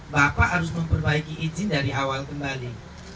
bapak harus memperbaiki izin dari awal kembali